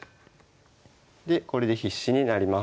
でこれで必至になります。